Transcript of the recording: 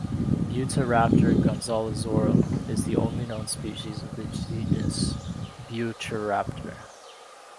"Buitreraptor gonzalezorum" is the only known species of the genus "Buitreraptor".